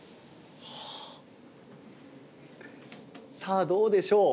さあどうでしょう？